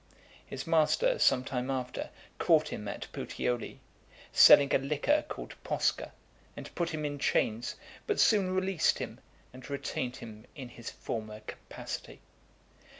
His master, some time after, caught him at Puteoli, selling a liquor called Posca , and put him in chains, but soon released him, and retained him in his former capacity.